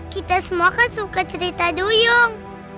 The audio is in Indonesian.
kita semua kan suka cerita duyung